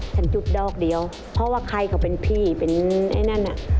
จุดดอกเดียวเพราะว่าใครก็เป็นพี่เป็นไอ้นั่นน่ะ